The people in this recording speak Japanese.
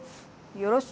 よろし。